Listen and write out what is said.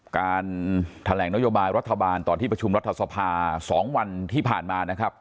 การแถลงนโยบายรัฐบาลตอนที่ประชุมรัฐสภา๒วันที่ผ่านมานะครับ